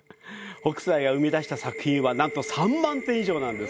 北斎が生み出した作品は３万点以上なんです。